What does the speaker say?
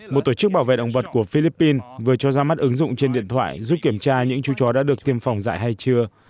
một tổ chức bảo vệ động vật của philippines vừa cho ra mắt ứng dụng trên điện thoại giúp kiểm tra những chú chó đã được tiêm phòng dạy hay chưa